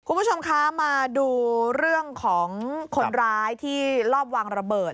คุณผู้ชมคะมาดูเรื่องของคนร้ายที่ลอบวางระเบิด